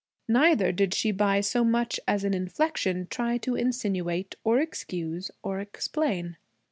Neither did she by so much as an inflection try to insinuate or excuse or explain.